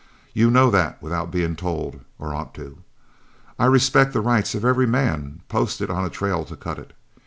You know that without being told, or ought to. I respect the rights of every man posted on a trail to cut it.